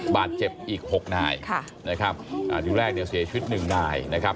บาดเจ็บอีก๖นายนะครับอาทิตย์แรกเสียชีวิต๑นายนะครับ